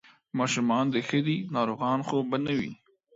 ماشومان دې ښه دي، ناروغان خو به نه وي؟